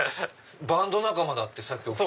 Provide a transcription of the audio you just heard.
バンド仲間だってさっき。